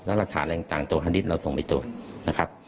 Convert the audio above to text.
แล้วรักษาอะไรต่างตัวพระศิษย์เราส่งไปตรวจนะครับ